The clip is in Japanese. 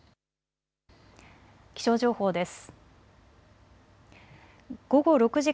気象情報です。